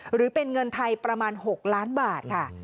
หรือเป็นเงินไทยประมาณ๖ล้านบาทค่ะ